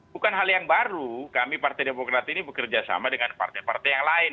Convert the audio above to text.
bukan hal yang baru kami partai demokrat ini bekerja sama dengan partai partai yang lain